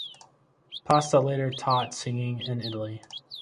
Pasta later taught singing in Italy.